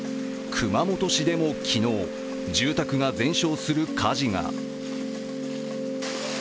熊本市でも昨日、住宅が全焼する火事が。